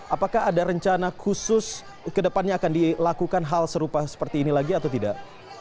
apakah ada rencana khusus ke depannya akan dilakukan hal serupa seperti ini lagi atau tidak